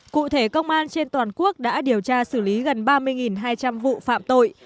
cụ thể công an trên toàn quốc đã điều tra xử lý gần ba mươi hai trăm linh vụ phạm tội